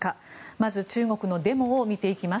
まず中国のデモを見ていきます。